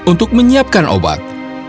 untuk menyiapkan obat